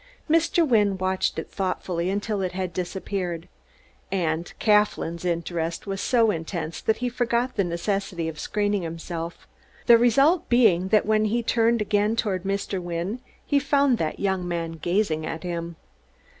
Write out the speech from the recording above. Mr. Wynne watched it thoughtfully until it had disappeared; and Claflin's interest was so intense that he forgot the necessity of screening himself, the result being that when he turned again toward Mr. Wynne he found that young man gazing at him.